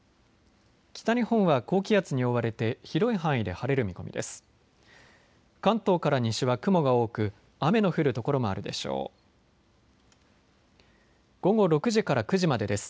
北日本は高気圧に覆われて広い範囲で晴れる見込みです。